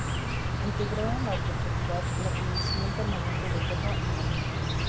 Integró en la oportunidad la comisión permanente de Guerra y Marina.